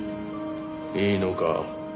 いいのか？